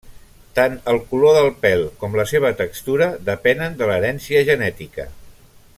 Tant el color del pèl com la seva textura depenen de l'herència genètica.